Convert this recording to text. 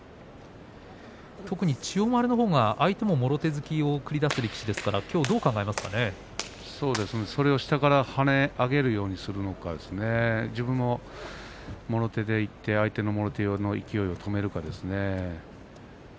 特に千代丸は相手にもろ手突きを突き出すんですがそれを下から跳ね上げるようにするのか自分も、もろ手でいって、相手のもろ手突きを止めるかですね。